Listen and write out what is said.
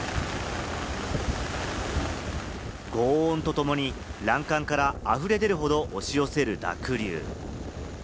ごう音とともに欄干からあふれ出るほど、押し寄せる濁流。